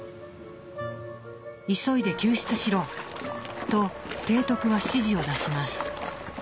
「急いで救出しろ！」と提督は指示を出します。